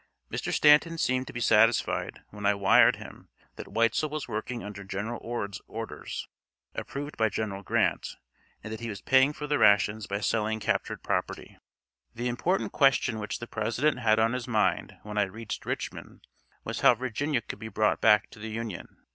Mr. Stanton seemed to be satisfied when I wired him that Weitzel was working under General Ord's orders, approved by General Grant, and that he was paying for the rations by selling captured property. The important question which the President had on his mind when I reached Richmond was how Virginia could be brought back to the Union.